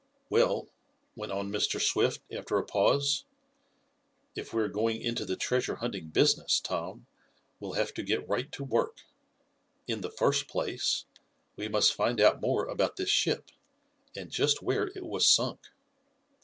"Well," went on Mr. Swift after a pause, "if we are going into the treasure hunting business, Tom, we'll have to get right to work. In the first place, we must find out more about this ship, and just where it was sunk."